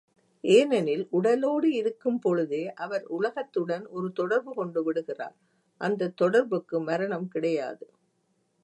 ஏனெனில், உடலோடு இருக்கும் பொழுதே, அவர் உலகத்துடன் ஒரு தொடர்பு கொண்டு விடுகிறார் அந்தத் தொடர்புக்கு மரணம் கிடையாது.